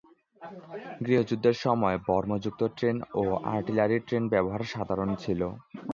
গৃহযুদ্ধের সময়, বর্মযুক্ত ট্রেন এবং আর্টিলারি ট্রেন ব্যবহার সাধারণ ছিল।